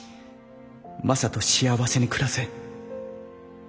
マサと幸せに暮らせ。